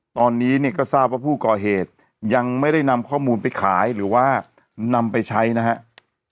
ตอนนี้เนี่ยก็ทราบว่าผู้ก่อเหตุยังไม่ได้นำข้อมูลไปขายหรือว่านำไปใช้นะครับ